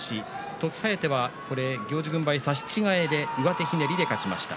時疾風は行司軍配差し違えで上手ひねりで勝ちました。